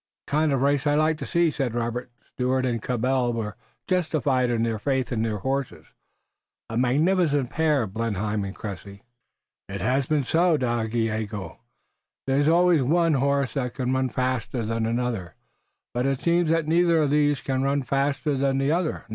"The kind of race I like to see," said Robert. "Stuart and Cabell were justified in their faith in their horses. A magnificent pair, Blenheim and Cressy!" "It has been said, Dagaeoga, that there is always one horse that can run faster than another, but it seems that neither of these two can run faster than the other.